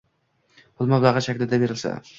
pul mablag‘i shaklida berilsa